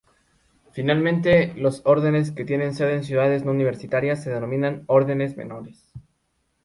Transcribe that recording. Finalmente, los Órdenes que tienen sede en ciudades no universitarias, se denominan Órdenes Menores.